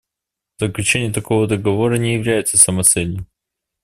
Заключение такого договора не является самоцелью.